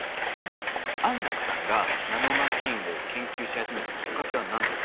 安楽さんがナノマシンを研究し始めたきっかけは何だったんでしょうか？